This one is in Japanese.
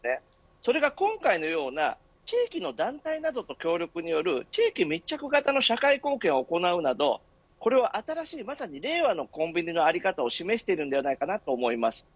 それが今回のような、地域の団体などとの協力による地域密着型の社会貢献を行うなど新しい令和のコンビニの在り方を示していると思います。